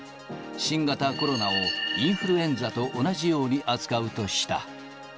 新型コロナをインフルエンザと同じように扱うとした。